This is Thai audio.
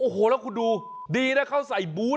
โอ้โหแล้วคุณดูดีนะเขาใส่บูธ